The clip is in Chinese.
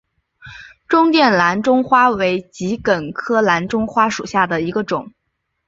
中甸蓝钟花为桔梗科蓝钟花属下的一个种。